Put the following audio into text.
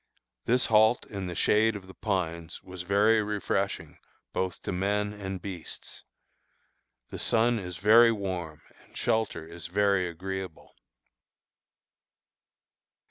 This halt in the shade of the pines was very refreshing both to men and beasts. The sun is very warm and shelter is very agreeable.